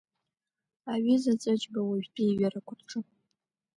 Аҩыза Ҵәыџьба уажәтәи иҩырақәа рҿы.